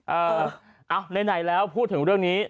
เออเอาไหนแล้วพูดถึงเรื่องนี้